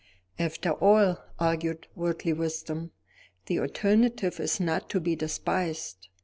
"After all," argued Worldly Wisdom, "the alternative is not to be despised.